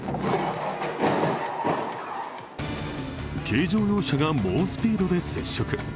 軽乗用車が猛スピードで接触。